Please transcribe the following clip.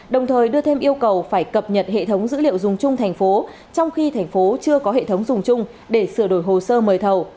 đồng thời đưa thêm yêu cầu phải cập nhật hệ thống dữ liệu dùng chung thành phố trong khi thành phố chưa có hệ thống dùng chung để sửa đổi hồ sơ mời thầu